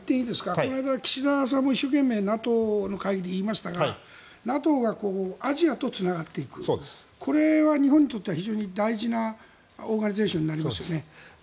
この間、岸田さんも一生懸命ＮＡＴＯの会議で言いましたがＮＡＴＯがアジアとつながっていくこれは日本にとっては非常に大事なオーガニゼーションになりますよね。